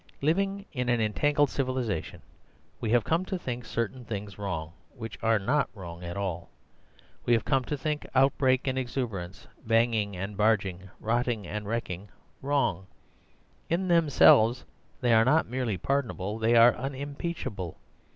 Living in an entangled civilization, we have come to think certain things wrong which are not wrong at all. We have come to think outbreak and exuberance, banging and barging, rotting and wrecking, wrong. In themselves they are not merely pardonable; they are unimpeachable.